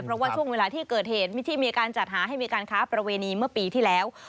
เพราะว่าช่วงเวลาที่เกิดเหตุที่มีการจัดหาให้มีการค้าประเวณีเมื่อปีที่แล้ว